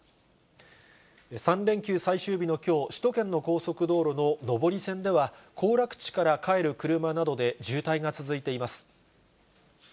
３連休最終日のきょう、首都圏の高速道路の上り線では、行楽地から帰る車などで渋滞が続いています。